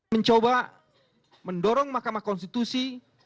mencoba mendorong mahkamah konstitusi